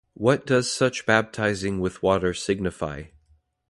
What does such baptizing with water signify?